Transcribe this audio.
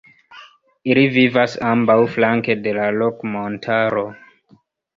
Ili vivas ambaŭflanke de la Rok-Montaro.